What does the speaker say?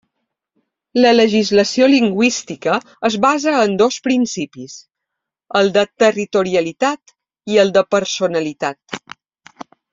La legislació lingüística es basa en dos principis: el de territorialitat i el de personalitat.